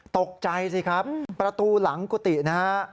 ตกใจสิครับประตูหลังกุฏินะฮะ